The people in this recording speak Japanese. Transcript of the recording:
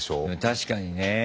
確かにねえ。